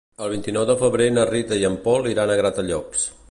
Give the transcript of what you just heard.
El vint-i-nou de febrer na Rita i en Pol iran a Gratallops.